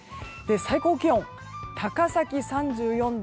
最高気温、高崎３４度。